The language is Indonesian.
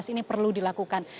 ini perlu dilakukan